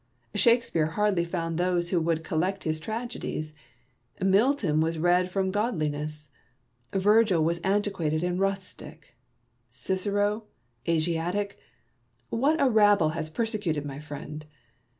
Shake speare hardly found those who would collect his tragedies ; Milton was read from godliness ; Virgil was antiquated and rustic ; Cicero, Asiatic. What a rabble has persecuted my friend